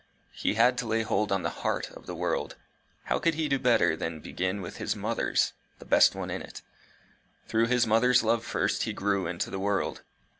He had to lay hold of the heart of the world. How could he do better than begin with his mother's the best one in it. Through his mother's love first, he grew into the world.